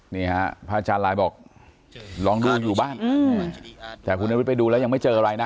แต่คุณอาจารย์ไปดูแล้วยังไม่เจออะไรนะ